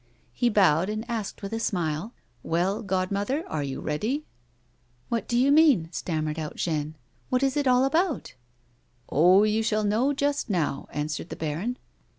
He bowed, and asked with a smile : "Well, godmother, are you ready?" " What do you mean 1 " stammered out Jeanne. " \Miat is it all about ?"" Oh, you shall know just now," answered the baron.